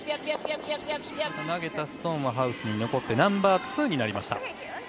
投げたストーンはハウスに残りナンバーツーになりました。